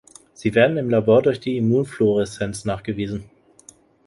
Sie werden im Labor durch die Immunfluoreszenz nachgewiesen.